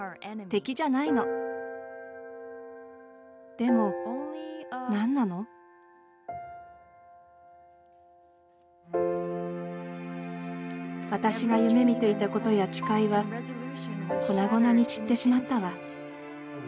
でも、何なの私が夢みていたことや誓いは粉々に散ってしまったわ。